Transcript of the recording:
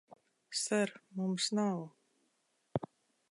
Ser, mums nav...